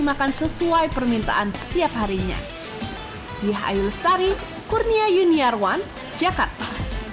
makan sesuai permintaan setiap harinya dihayu starik kurnia junior one jakarta